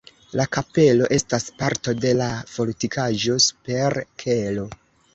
La kapelo estas parto de la fortikaĵo super kelo.